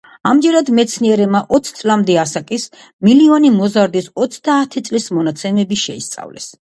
ამჯერად მეცნიერებმა ოც წლამდე ასაკის, მილიონი მოზარდის ოცდაათი წლის მონაცემები შეისწავლეს.